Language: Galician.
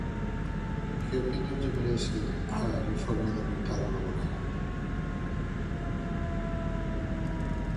_¿Que opinión lle merece a reforma do mercado laboral?